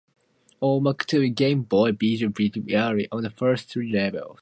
On easy mode, the Game Boy version ends early, on the first three levels.